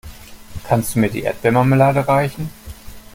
Kannst du mir die Erdbeermarmelade reichen?